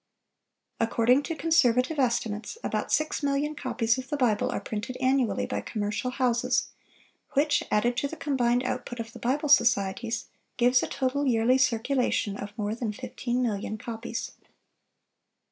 According to conservative estimates, about six million copies of the Bible are printed annually by commercial houses, which, added to the combined output of the Bible societies, gives a total yearly circulation of more than fifteen million copies.